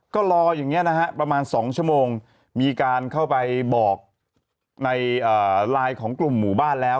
ก็รออย่างนี้นะฮะประมาณ๒ชั่วโมงมีการเข้าไปบอกในไลน์ของกลุ่มหมู่บ้านแล้ว